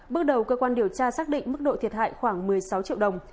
bước đầu cơ quan điều tra xác định mức độ thiệt hại khoảng một mươi sáu triệu đồng